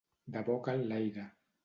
De boca enlaire.